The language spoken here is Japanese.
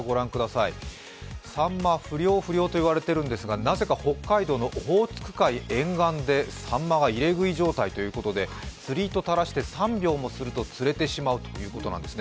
さんま、不漁不漁と言われているんですが、なぜか北海道のオホーツク海沿岸でさんまが入れ食い状態ということで釣り糸たらして３秒もすると釣れてしまうということなんです。